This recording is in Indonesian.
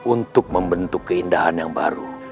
untuk membentuk keindahan yang baru